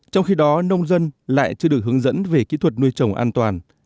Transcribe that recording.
trong khi đó nông dân lại chưa được hướng dẫn về kỹ thuật nuôi trồng an toàn